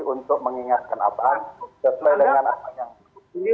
untuk mengingatkan apaan